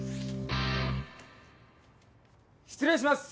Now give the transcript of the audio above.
失礼します。